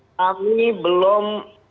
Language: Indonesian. sampai saat ini kami belum